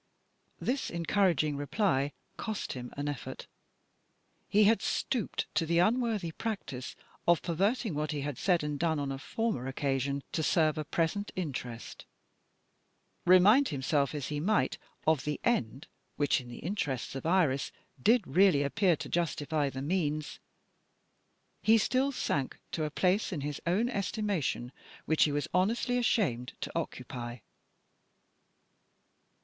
This encouraging reply cost him an effort. He had stooped to the unworthy practice of perverting what he had said and done on a former occasion, to serve a present interest. Remind himself as he might of the end which, in the interests of Iris, did really appear to justify the means, he still sank to a place in his own estimation which he was honestly ashamed to occupy.